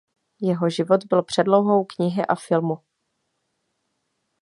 Jeho život byl předlohou knihy a filmu.